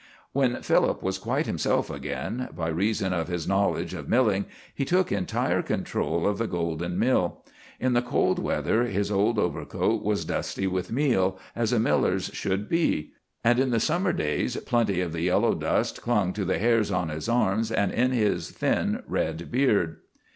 When Philip was quite himself again, by reason of his knowledge of milling he took entire control of the golden mill. In the cold weather his old overcoat was dusty with meal, as a miller's should be; and in the summer days plenty of the yellow dust clung to the hairs on his arms and in his thin red beard.